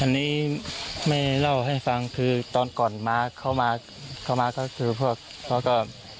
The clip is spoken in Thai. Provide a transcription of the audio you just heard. อันนี้ไม่เล่าให้ฟังคือตอนก่อนมาเข้ามาก็คือพวกเขาก็